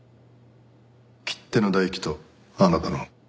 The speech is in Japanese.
切手の唾液とあなたのを。